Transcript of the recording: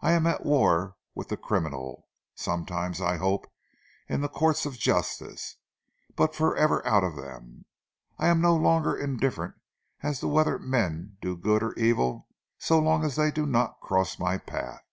I am at war with the criminal, sometimes, I hope, in the Courts of Justice, but forever out of them. I am no longer indifferent as to whether men do good or evil so long as they do not cross my path.